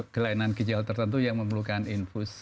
kelainan ginjal tertentu yang memerlukan infus